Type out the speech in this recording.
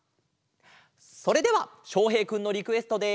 それではしょうへいくんのリクエストで。